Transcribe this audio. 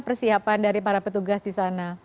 persiapan dari para petugas di sana